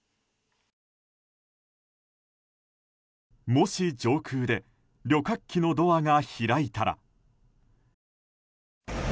もし上空で旅客機のドアが開いたら。